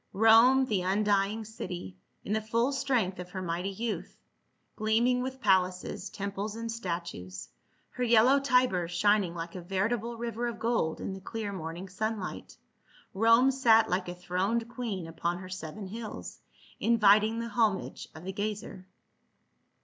Rome, the undying city, in the full strength of her mighty youth, gleaming with palaces, temples and statues, her yellow Tiber shining like a veritable river of gold in the clear morning sunlight, Rome sat like a throned queen upon her seven hills, inviting the homage of the gazer.